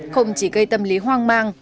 không chỉ gây tâm lý hoang mang